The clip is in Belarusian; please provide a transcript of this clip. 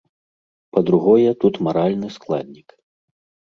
Па-другое, тут маральны складнік.